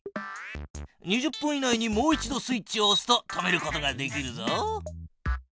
２０分以内にもう一度スイッチをおすと止めることができるぞ。